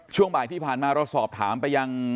ช่วงบ่ายที่ผ่านมาเราสอบถามไปยัง